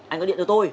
anh có điện cho tôi